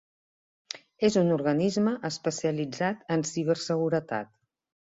És un organisme especialitzat en ciberseguretat.